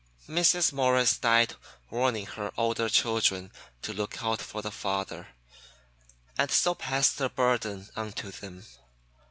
Mrs. Morris died warning her older children to look out for the father, and so passed her burden on to them.